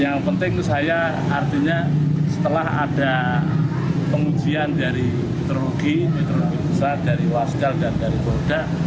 yang penting saya artinya setelah ada pengujian dari metrologi metrologi besar dari wasgal dan dari produk